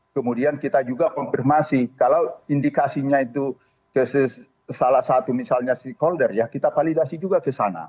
kemudian kita juga konfirmasi kalau indikasinya itu ke salah satu misalnya stakeholder ya kita validasi juga ke sana